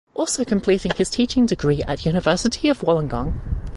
Also completing his teaching degree at University of Wollongong.